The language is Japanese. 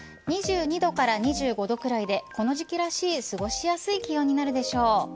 ２２度から２５度ぐらいでこの時期らしい過ごしやすい気温になるでしょう。